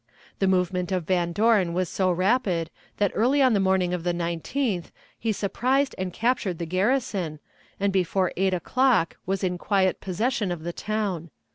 The movement of Van Dorn was so rapid that early on the morning of the 19th he surprised and captured the garrison, and before eight o'clock was in quiet possession of the town.